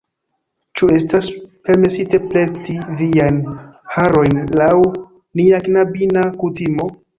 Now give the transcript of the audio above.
Ĉu estas permesite plekti viajn harojn laŭ nia knabina kutimo?